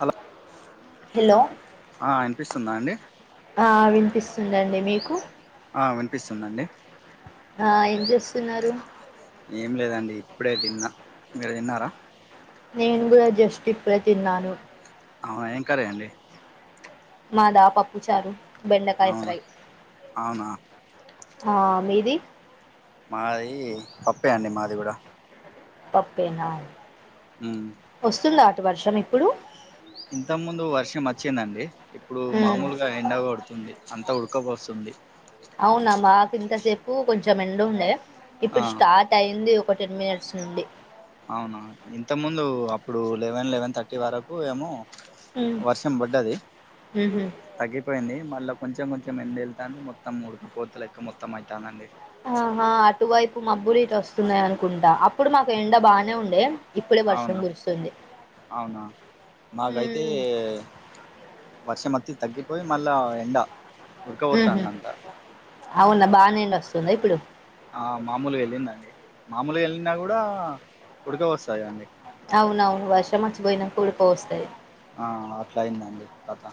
అల హలో ఆ వినిపిస్తుందా అండి ఆ వినిపిస్తుందండి మీకు ఆ వినిపిస్తుందండి ఆ ఏం చేస్తున్నారు ఏం లేదండి ఇప్పుడే తిన్న మీరు తిన్నారా నేను కూడా జస్ట్ ఇప్పుడే తిన్నాను అవునా ఏం కర్రీ అండి మాదా పప్పు చారు బెండకాయ అవునా ఫ్రై అవునా ఆ మీది మాది పప్పే అండి మాది కూడా పప్పేన ఉ వస్తుందా అటు వర్షం ఇప్పుడు ఇంతకు ముందు వర్షం వచ్చిందండి ఇప్పుడు ఉమ్ మామూలుగా ఎండ కొడుతుంది అంత ఉడకపోస్తుంది అవునా మాకు ఇంతసేపు కొంచెం ఎండుండే ఆ ఇప్పుడు స్టార్ టయింది ఒక టెన్ మినిట్స్ నుండి అవునా ఇంతకు ముందు అప్పుడు లెవెన్ లెవెన్ థర్టీ వరకు ఏమో ఉమ్ వర్షం బడ్డది ఉహు తగ్గిపోయింది మళ్ళ కొంచెం కొంచెం ఎండేల్తాంది మొత్తం ముడుకపోతలెక్క మొత్తంమైతాన్డండి ఆహా అటువైపు మబ్బులిటోస్తున్నయనుకుంట అప్పుడు మాకెండ బానే ఉండే ఇప్పుడే వర్షం అవునా కురుస్తుంది అవునా మాకయితే...... ఉమ్ వర్షమచ్చి తగ్గిపోయి మళ్ళా ఎండా ఉడ్కబొత్తాన్దంతా అవున బానేనిస్తుందా ఇప్పుడు ఆ మామూలుగెళ్ళిందండి. మాములుగెల్లినా కూడా ఉడుకవొస్తదికదండి అవునవును వర్షమచ్చిపోయినంకుడ్కవొస్తది ఆ... అట్లయిందనిచెప్పు కథ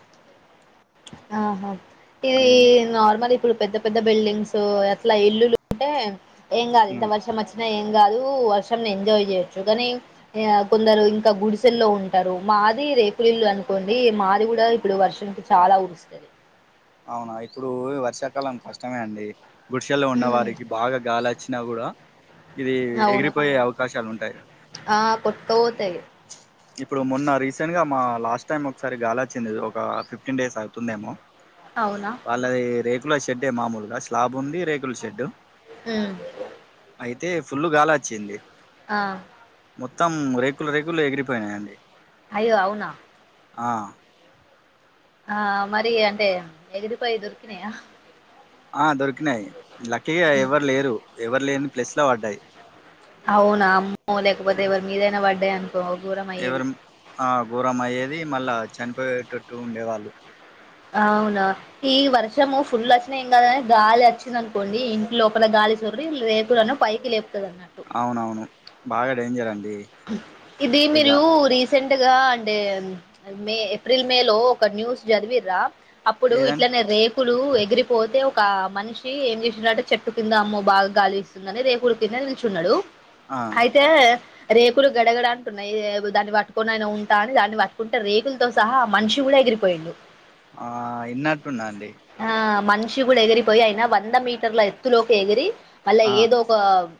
ఆహా. ఇదీ మ్మ్ నార్మలి పుడు పెద్ద పెద్ద బిల్డింగ్సూ ఎట్లా ఇల్లులు. లుంటే ఏం కాదు ఎంత మ్మ్ వర్షచ్చి నఏంగాదు వర్షంనెంజాయ్ చేయొచ్చు గని.... య కొందరు ఇంక గుడిసెల్లో ఉంటరు మాది రేకులిల్లు అనుకోండీ మాది గుడ ఇప్పుడు వర్షంకి చాలా ఉపిస్తది అవున ఇప్పుడూ ఇవర్షాకాలం కష్టమే అండి గుడిషెల్లో ఉన్న వారికి బాగ గాలచ్చినా గుడా ఇదీ అవును ఎగిరిపోయే అవకాశాలుంటాయి గద ఆ.. కొట్కపోతయ్ ఇప్పుడు మొన్న రీసెంట్గా మా లాస్టైమ్ ఒకసారి గాలచ్చింది ఒక ఫిఫ్టీన్డేస్ అవుతుందేమో అవునా. వాళ్ళదీ రేకుల షెడ్డే మామూలుగా స్లాబ్ ఉంది రేకుల షెడ్డు ఉన్ అయితే ఫుల్లు గాలచ్చింది ఆ.. మొత్తం రేకులరేకులెగిరిపోయినయండి అయ్యోఅవునా ఆ.. ఆ, మరీయంటే ఎగిరిపోయి దొరికినయా ఆ దొరికినయి లక్కిగ ఎవరు లేరు ఎవర్లేని ప్లేస్ల పడ్డయి. అవునా అమ్మోలేకపోతే ఎవర్ మీదైన పడ్డయనికో ఘోరమయ్యేది ఎవరు ఆ ఘోరమయ్యేది మళ్ళా చనిపోయేటట్టు ఉండేవాళ్ళు అవునా ఈ వర్షము ఫుల్లోచ్చిన ఏంగదు గని గాలచ్చిందనుకోండి ఇంట్లోపల గాలి చొర్రి రేకులను పైకి లేప్తదన్నట్టు అవునవును బాగ డేంజరండి ఇది మిలూ రీస్ సెంట్ గా అంటే మే ఏప్రిల్ మే లో ఒక న్యూస్ చదివిర్రా అప్పుడు ఏదండి ఇట్లనే రే.. పులు ఎగిరిపోతే ఒకా మనిషి ఏం చేసినట్టే చెట్టు కింద మొబాల్ గలీజ్ ందని రేకుల కింద నిల్చున్నడు ఆ. తెహ్ రేకులు గడగడఅన్టున్నయి దాన్ని పట్టుకొన్నైన ఉంటా అని దాన్ని పట్టుకుంటే రేకులతో సహా ఆ మనిషి కూడా ఎగిరిపోయిండు ఆ.. ఇన్నట్టున్నాఅండి ఆ మన్షీ కూడా ఎగిరిపోయి అయినా వంద మీటర్ల ఎత్తులోకి ఎగిరి మళ్ళా ఆ ఏదో వ్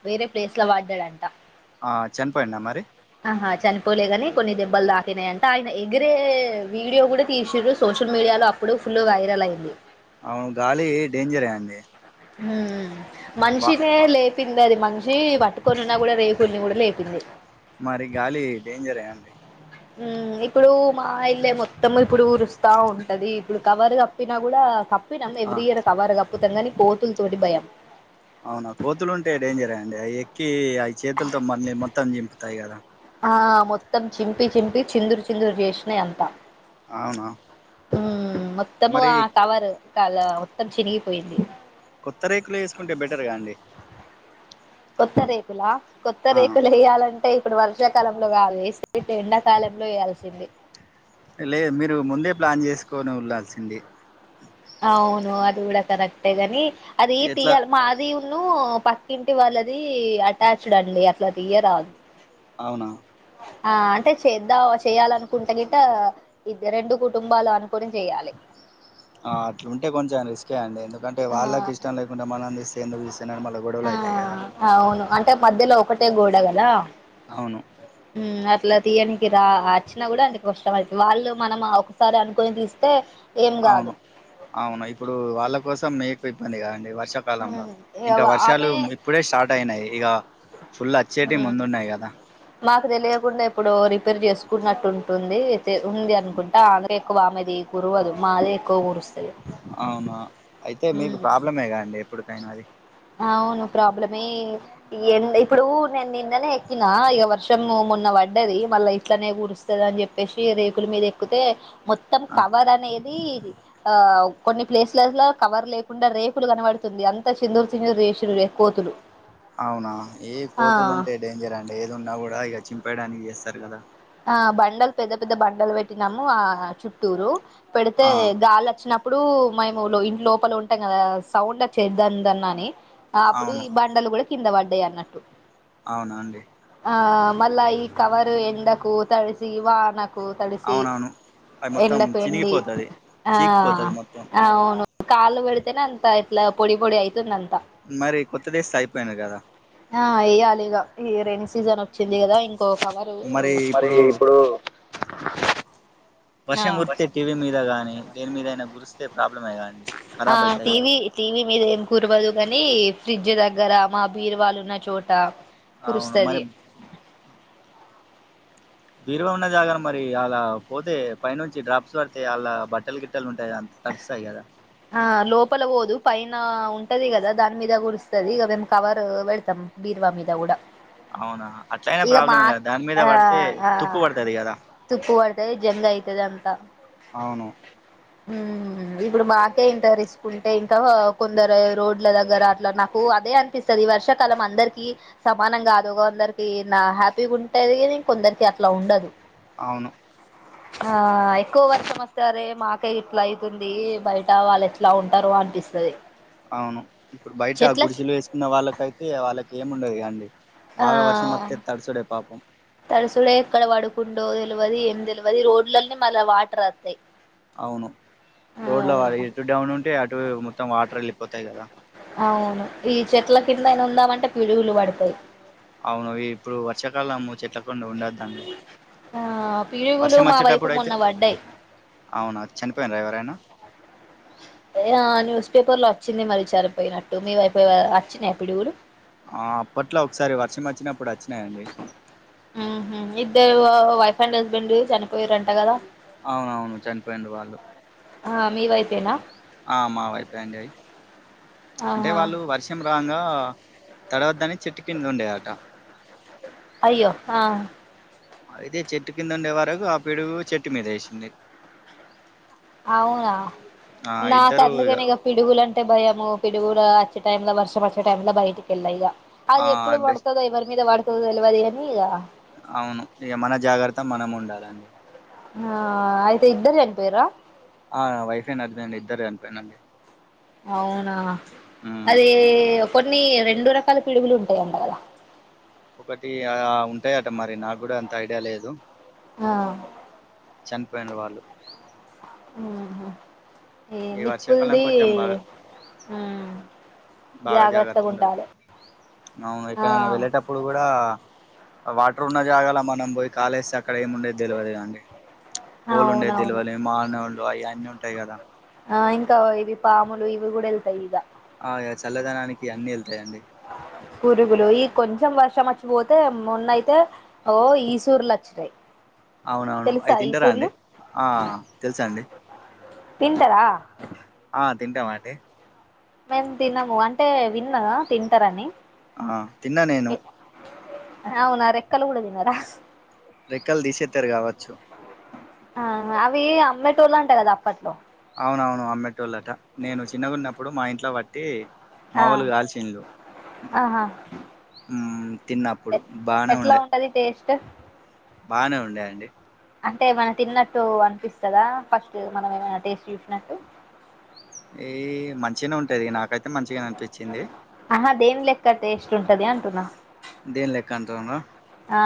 వేరే ప్లేస్ల పడ్డడంట ఆ చనిపోయిండా మరి ఆహా చనిపోలే గాని కొన్ని దెబ్బలు తాకినాయంట ఆయన ఎగిరే వీడియో కూడా తీసిరుసోషల్ మీడియాలో అప్ ఇప్పుడు ఫుల్ వైరల్ అయింది అవును గాలి డేంజరే అండి హ్మ్ బా మనిషినే లే తిండది మనిషి పట్టుకొనున్నా కూడా రేకులను కూడా లేపింది మరి గాలి డేంజరే అండి హ్మ్ ఇప్పుడు మా ఇల్లే మొత్తము ఇప్పుడు ఊరుస్తా ఉంటది ఇప్పుడు కవర్ కప్పినా కూడా కప్ పినం ఆ ఎవ్రీ ఇయర్ కవర్ కప్పుతాంగ నీ కోతుల తోటి భయం అవునా కోతులు ఉంటే డేంజరెఅండి అవి ఎక్కి ఆ చేతులతో మళ్ళీ మొత్తం జింపుతాయి కదా ఆ మొత్తం చింపి చింపి చిందురు చిందురు చేసినాయి అంతా అవునా హ్మ్ మొత్తము ఆ మరి కవర్ కల మొత్తం చినిగిపోయింది కొత్త రేకులు వేసుకుంటే బెటర్గా అండి కొత్త రేకులా కొత్త ఆ రేకులు వేయాలంటే ఇప్పుడు వర్షాకాలంలో కా వేసిటివి ఎండాకాలంలో వేయాల్సింది లేదు మీరు ముందే ప్లాన్ చేసుకొని ఉంళల్సింది అవును అది కూడా కరక్టేగనీ అది ఎట్లా తీయాల మా అ అది ఉన్నుపక్కింటి వాళ్ళది అటాచ్డ్ అండి అట్లా తీయరాదు అవునా ఆ అంటే చేద్దా చేయాలనుకుంటే గిట్ట ఇద్ద రెండు కుటుంబాలు అనుకోని చెయ్యాలి ఆ అట్లుంటే కొంచం రిస్కే అండి ఎందుకంటే ఆ వాళ్ళకి ఇష్టం లేకుండా మనం తీస్ తే ఎందుకు తీస్తన్నావ్ మళ్ళీ గొడవలు ఆ అయితాయి కదా అవును అంటే మధ్యలో ఒకటే గోడ గదా అవును హ్మ్ అట్లా తీయనికి రా అచ్చినా కూడా అందుకు [unintelligible] వాళ్ళు మనం ఒక సరి అనుకొని తీస్తే ఏం అవును కాదు అవును ఇప్పుడు వాళ్ళ కోసం మీకు ఇబ్బంది కదండి వర్షం కాలంలో ఇగ ఇంకా వర్షాలు ఆమె ఇప్పుడే స్టార్ట్ అయినాయి ఇగ ఫుల్ అచ్చేటివి ముందున్నాయ్ కదా మాకు తెలియకుండా ఇప్పుడు రిపేర్ చేసుకున్నట్టు ఉంటుంది ఉంది అనుకుంటా అదే ఎక్కువ ఆమెది కురువదు మాదే ఎక్కువ కురుస్ అవునా అయితే మీకు ప్రాబ్లమే గా అండీ ఎప్పుడుకైనా అది అవును ప్రాబ్లమే ఈ ఎండ ఇప్పుడు నేను నిన్ననే ఎక్కిన ఇగ వర్షం మొన్న పడ్డది మళ్ళా ఇట్లనే కూరుస్ చది అని చెప్పేసి రేకుల మీద ఎక్కుతే మొత్తం ఆ, కవర్ అనేది ఆ కొన్ని ప్లేస్ లస్ లా కవర్ లేకుండా రేకులు కనబడుతుంది అంత చిందురు చిందురు చేసిండు కోతులు అవునా ఏ ఆ కోతులు ఉంటే డేంజర్ అండి ఏది ఉన్నా కూడా ఇగ చింపేయడానికి చేస్తారు కదా ఆ బండలు పెద్ద పెద్ద బండలు పెట్టినాము ఆ చుట్టూరు పెడితే ఆ గాలి వచ్చిన ప్పుడు మేము ఇంటి లోపల ఉంటాం కదా సౌండ్ చేద్దందన్ అని అప్పుడు అవును ఇబ బండలు కూడా కింద పడ్డాయి అన్నట్టు అవునా అండి ఆ మళ్ళా ఈ కవర్ ఎండకు తడ్సి వాన పో తడిసి అవునవును అది మొత్తం ఎండకు ఎండి చినిగిపోతది అ చీకిపోతది మొత్తం అవును కాళ్ళు పెడితేనే అంత ఇట్లా పొడి పొడి అయితుంది అంతా మరి కొత్త దేశ్తె అయిపోయింది కదా. ఆ వేయ్యాలిగా ఈ రెన్ సీజన్ వచ్చింది కదా ఇంకో కవరు. మరి ఇప్పుడు వర్షం గురిత్తె ఆ టీవీ మీద కాని దేని మీదయినా గురిస్తే ప్రాబ్లమే కాగానీ. ఆ టివి. టీవీ మీద ఏం కురవదు కాని ఫ్రిడ్జ్ దగ్గర మా బీరు వాళ్ళు ఉన్న చోట. అ అవును కురుస్తది మరే. బీరువ ఉన్న జాగల మరి అలా పోతే పై నుంచి డ్రాప్స్ పడితే అళ బట్టలు గిట్టలు ఉంటాయి అంత. తడుస్తాయి కదా. ఆ లోపల పోదు పైన ఉంటది కదా దాని మీద కురుస్తది ఇక మేము కవర్ పెడతాం. బీర్వా మీద కూడా. అవునా అట్లయినా ఇక మా ప్రాబ్లమే కదా దాని మీద ఆ పడితే ఆ తుప్పు పడుతది కదా. తుప్పు పడతది జంగ్ అయితది అంత. అవును. ఇప్పుడు బద్. కే ఇంటరిసుకుంటే ఇంకా కొందరు రోడ్ల దగ్గర అట్లా నాకు అదే అనిపిస్తు. స్తది ఈ వర్షాకాలం అందరికిీ. సమానంగా కదు కొందరికి నా హ్యాపీగా ఉంటది ఇంకొందరికి అట్లా ఉండదు. అవును. ఆ ఎక్కువ వర్షం వస్తానే మాకే ఇట్లా అయితుంది బయట. వాళ్ళు ఎట్లా ఉంటారు అనిపిస్తది. అవును ఇప్పుడు బయట చెట్లకి గుడిశలు వేసుకున్న వాళ్ళకైతే వాళ్ళకి ఏమి ఉండదు కాండి. ఆ బాగ వర్షం వస్తే తడుచుడే పాపం. తడుసుడే ఎక్కడ పడుకుండో తెలివదు ఏం తెలివదు రోడ్లనే మళ్ళ వాటర్ వస్తాయి. అవును ఆ రోడ్ల ఇటు డౌన్ ఉంటే అటు మొత్తం వాటర్ వెళ్ళిపోతాయి కదా. ఆవును ఈ చెట్ల కింద అయినా ఉందామంటే పిడుగులు పడతాయి. అవును ఇప్పుడు వర్షకాలము చెట్లపోంటి ఉండదు. ఆ పిడుగులు మా వైపు వచ్చేటప్పుడు అయితే మొన్న పడ్డాయ్. అవునా చనిపోయిండ ఎవరైనా. ఏ న్యూస్ పేపర్ లో వచ్చింది మరి చనిపోయినట్టు మీవయిపో వచ్చినాయి పిడుగులు. ఆ అప్పట్లో ఒకసారి వర్షం వచ్చినప్పుడు వచ్చినాయండి. ఆహ ఇద్దరు వైఫ్ అండ్ హస్బెండ్ చనిపోయారంట కదా. అవునవును చనిపోయింరు వాళ్ళు. ఆ మీవయిపేనా. ఆ మా వైపో అండి అంటే ఆహా వాళ్ళు వర్స. వర్షం రాగా తడవద్దని చెట్టు కింద ఉండే ఆట. అయ్యో ఆ. అయితే చెట్టు కింద ఉండే వరకు ఆ పిడుగు చెట్టు మీద వేసింది. అవునా ఆ నా ఇద్దరు ఇగ కందుకనేగా. పిడుగులుంటే భయము పిడుగులు వచ్చే టైంలో వర్షం వీచే టైంలో బయటికెళ్ళా ఇగా. ఆ అది ఎప్పుడు బెస్ట్ పడుతదో ఎవరి మీద పడుతదో తెలవదు గాని ఇగ. అవును ఇగ మన జాగ్రత్త మనం ఉండాలే. ఆ అయితే ఇద్దరు చనిపోయిర్రా. ఆ వైఫే అండ్ హస్బెండ్ ఇద్దరు చనిపోయిలు. అవునా ఉమ్ అది కొన్ని రెండు రకాల పిడుగులు ఉంటాయంట కదా. ఒకటి ఆ ఉంటాయట మరి నాకు కూడా అంత ఐడియా లేదు. ఆ చనిపోయిన వాళ్ళు ఉహుమ్ ఏ ఈ వర్షాకాలం నిప్పుల్ది కొంచెం బాగా ఆ బాగా జాగ్రత్త ఉండాలే మనం ఆ ఎక్కడయిన వెళ్ళేటప్పుడు కూడా వాటర్ ఉన్న జాగాలా మనం పోయి కాలేస్తే అక్కడ ఏమి ఉండేది తెలియదుగాండి హోల్ ఉండేది అవునవును తెలవలేం మానవుళ్ళలు అవి అన్నీ ఉంటాయి కదా ఆ ఇంకా ఇవి పాములు ఇవి కూడా వెళ్తాయి ఇక ఆ చల్లదనానికి అన్ని వెళ్తాయండి పురుగులు ఈ కొంచెం వర్షం వచ్చిపోతే మొన్నయితే ఓ ఈసుర్లో వచినై అవునవును అయి తింటారా అండి ఆ తెలుసా అండి తింటరా ఆ తింటామండి మేము తినము అంటే విన్నా తింటరని ఆ తిన్న నేను అవునా రెక్కలు కూడా తిన్నరా రెక్కలు తీసేస్తారు కావచ్చు ఆ అవి అమ్మేటోళ్ళ అంట కదా అప్పట్లో అవునవును అమ్మటోళ్ళట నేను చిన్నగున్నప్పుడు మా ఇంట్లో బట్టి ఆ మావోలు గాల్చిలు ఆహా ఆమ్ తిన్న అప్పుడు బాగానే ఉండే అది టేస్ట్ బానే ఉండే అండి అంటే మన తిన్నట్టు అనిపిస్తదా ఫస్ట్ మనం ఏమైనా టేస్ట్ చూసినట్టు ఈ మంచిగానే ఉంటుంది నాకైతే మంచిగనే అనిపించింది ఆహ దీన్లెక్క టేస్ట్ ఉంటది అంటున్నా దీన్లెక్క అంటుండ్ర ఆ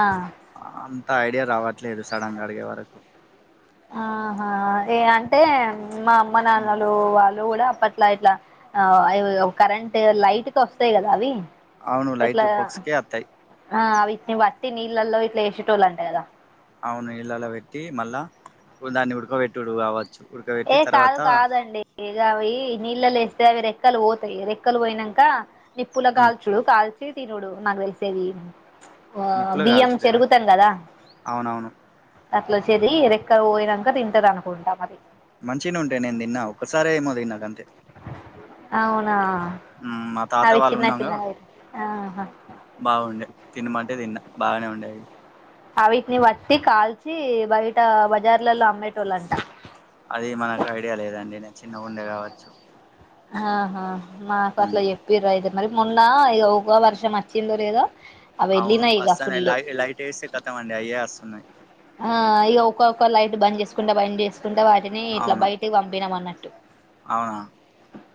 అంత ఐడియా రావట్లేదు సడన్గా అడిగే వరకు ఆహా ఏ అంటే మా అమ్మ హ్మ్. నాన్నలు వాళ్ళు కూడా అప్పట్లో ఇట్లా ఇట్లా ఆవి అ కరెంట్ లైట్ కొస్తయి కదా అవి అవును ఇట్లా లైట్ పోక్స్కే వతాయి ఆ అవిట్ని పట్టి నీళ్ళల్లో ఇట్లా వేసేటోళ్లు అంట కదా అవును నీళ్ళలో పెట్టి మళ్ళ దాన్ని ఉడుకోబెట్టిడు కావచ్చు ఉడకబెట్టి ఏ కాదు తర్వాత కాదండి ఏగా అ నీళ్ళలో ఎస్తే అవి రెక్కలు పోతాయి రెక్కలు పోయినాక నిప్పుల మ్మ్ కాల్చు కాల్చి తినుడు నాకు తెలిసేవి వా నిప్పులో బియ్యం కాల్చుడేనా చెరుగుతం కదా అవునవును అట్ల చెరిగి రెక్కలు పోయినాంక తింటరు అనుకుంట మరి మంచినే ఉంటాయి నేను తిన్నా ఒకసారే ఏమో తిన్నా గంతే అవునా మా తాత అవి వాళ్ళు చిన్న ఉన్నాంగా చిన్నగా ఆహా బాగుండే తినమంటే తిన్నా బాగానే ఉండేయి అవి అ విటిని పట్టి కాల్చి బయట బజార్లలో అమ్మేటోళ్ళంట అది మనకు ఐడియా లేదండి నేను చిన్నగా ఉండే కావచ్చు ఆహా మాకు అట్లా ఉమ్, చెప్పిరు అయితే మరి మొన్న ఇగ ఒక వర్షం వచ్చిందో లేదో అవి అవును వెళ్ళినాయి ఇగ వస్తనే ఫుల్ లైట్ వేస్తే కతం అండి అయే వస్తున్నాయి ఆ ఇ ఒక్కొక్క లైట్ బంద్ చేసుకుంటా బంద్ చేసుకుంటే వాటిని ఇట్లా అవును బయటికి పంపినాం అన్నట్టు అవునా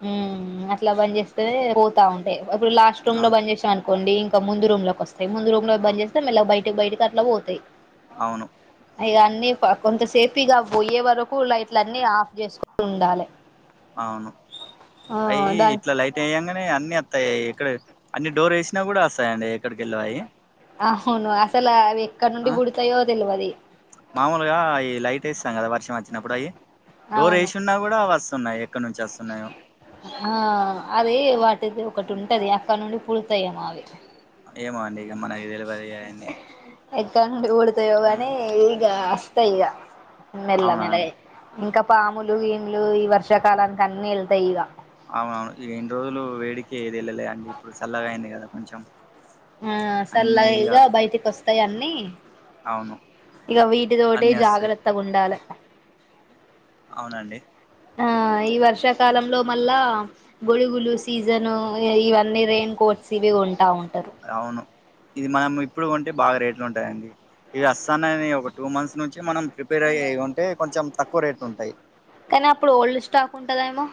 ఉమ్మ్ అట్లా బంద్ చేస్తేనే పోతా ఉంటాయి. ఇప్పుడు లాస్ట్ రూమ్ లో అవు- బంద్ చేసినంఅనుకో కొండి ఇంకా ముందు రూమ్ లోకి వస్తాయి. ముందు రూమ్ లో బబ్జేస్తే మెల్లగా బయటకి బయటకి అట్లా పోతాయి అవును ఇగా అన్నీ కొంతసేపూ ఇగ పోయే వరకు లైట్ల అన్ని ఆఫ్ చేసుకునీ ఉండాలి. అవును ఆ అయి దానికి ఇట్లా లైట్ వేయంగనే అన్ని అత్తయ్ ఎక్కడ అన్ని డోర్ వేసినా కూడా వస్తయంండి ఎక్కడికెల్లో అయి అవును అసలు అవి ఎక్కడ నుండి ఆ, పూడతాయో తెలవది మామూలుగా అయి లైట్ వేస్తాం కదా వర్షం వచ్చినప్పుడు అవి డోర్ అవును వేసిన్నా కూడా వస్తున్నాయి ఎక్కడ నుంచి వస్తున్నాయో ఆ అది వాటిది ఒకటి ఉంటది అక్కడ నుండి పుడుతాయమో అవి ఏమో అండి ఇగ మనకు తెల్వదు అయన్ని ఎక్కడ్నుండి పూడుతయో గాని ఈగ అస్తయి ఈగ మెల్ల అవునా మెల్లగ అండి ఇంకా పాములు ఇములు ఈ వర్షాకాలానికి అన్ని ఎళ్తాయి ఇగ అవునవును ఇగ ఇన్ని రోజులు వేడికే ఏది వెళ్ళలే అండి ఇప్పుడు చల్లగా అయింది కదా కొంచెం ఆ అన్నీ ఇగ సల్లగా బయటికి వస్తాయి అన్నీ అవును ఇగ వీటి తోటి అన్నీ వస్తాయి జాగ్రత్త ఉండాల అవునండి ఆ ఈ వర్షాకాలంలో మళ్ళా గొడుగులు సీజను ఇవన్నీ రైన్ కోట్స్ ఇవి కొంటా ఉంటారు అవును ఇది మనం ఇప్పుడు ఉంటే బాగా రేట్లు ఉంటాయండి. ఇవి ఆస్తానయనిఒక టూ మంత్స్ నుంచి మనం ప్రిపేర్ అయ ఉంటే కొంచెం తక్కువ రేట్లు ఉంటాయి. కానీ అప్పుడు ఓల్డ్ స్టాక్ ఉంటదేమో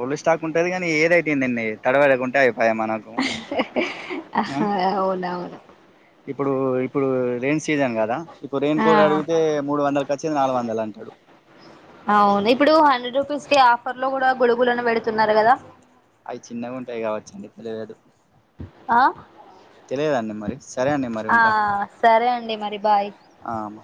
ఓల్డ్ స్టాక్ ఉంటుది కానీ ఏద అతుయిందండి తడవెడకుంటే అయిపోయాయి మనం అవును అవును ఇప్పుడు ఇప్పుడు రైయిన్ సీజన్ కదా ఇప్పుడు రెయిన్ ఆ కోడ్ అడిగితే మూడు వందల చ్చిది నాలుగు వందలు అంటాడు అవును ఇప్పుడు హండ్రెడ్ రూపీస్ కి ఆఫర్ లో కూడా గొడుగులులను పెడుతున్నారు కదా. అవి చిన్నగా ఉంటాయి, కావచ్చండి తెలియదు ఆ? తెలియదండి మరి సరే అండి మరి ఆ సరే అండి మరి బాయ్ ఆము